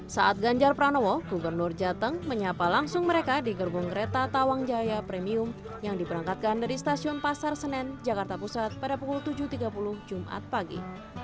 saat ganjar pranowo gubernur jateng menyapa langsung mereka di gerbong kereta tawang jaya premium yang diberangkatkan dari stasiun pasar senen jakarta pusat pada pukul tujuh tiga puluh jumat pagi